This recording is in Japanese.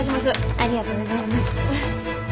ありがとうございます。